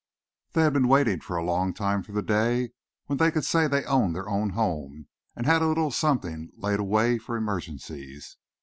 They had been waiting a long time for the day when they could say they owned their own home and had a little something laid away for emergencies.